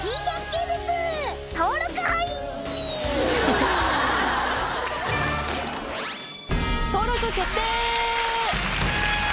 登録決定！